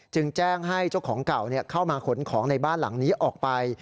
จึงแจ้งให้เจ้าของเก่าเข้ามาขนของในบ้านหลังนี้ออกไป